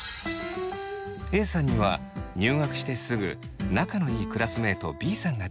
Ａさんには入学してすぐ仲のいいクラスメートＢさんができました。